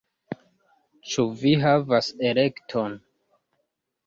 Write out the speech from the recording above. Ĉu vi havas elekton?